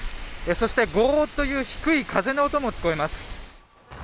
そしてごーっという低い風の音も聞こえます。